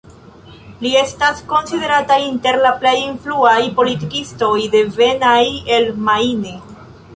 Li estas konsiderata inter la plej influaj politikistoj devenaj el Maine.